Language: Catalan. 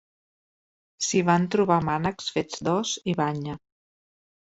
S'hi van trobar mànecs fets d'os i banya.